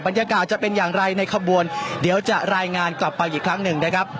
จะเป็นอย่างไรในขบวนเดี๋ยวจะรายงานกลับไปอีกครั้งหนึ่งนะครับ